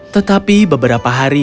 tetapi beberapa hari